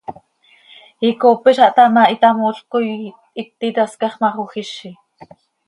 Icoopeza htá ma, hitamoolc coi iti tascax ma, xojizi.